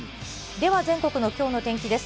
では全国のきょうの天気です。